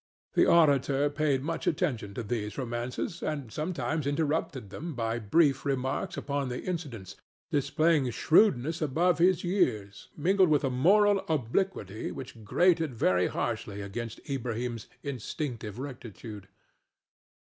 The auditor paid much attention to these romances and sometimes interrupted them by brief remarks upon the incidents, displaying shrewdness above his years, mingled with a moral obliquity which grated very harshly against Ilbrahim's instinctive rectitude.